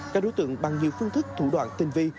các đối tượng bằng nhiều phương thức thủ đoạn tinh vi